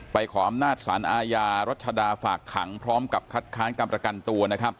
ไปขออำนาจสารอาญารัฐชดาฝากขังพร้อมกับคัดค้านกรรมกันตัว